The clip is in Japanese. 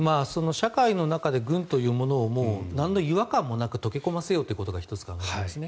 社会の中で軍というものをなんの違和感もなく溶け込ませようということが１つ考えられますね。